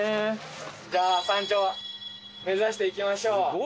じゃあ山頂目指して行きましょう。